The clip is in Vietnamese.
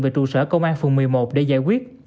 về trụ sở công an phường một mươi một để giải quyết